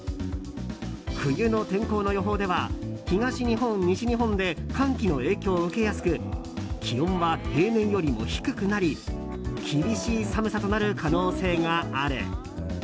冬の天候の予報では東日本、西日本で寒気の影響を受けやすく気温は平年よりも低くなり厳しい寒さとなる可能性がある。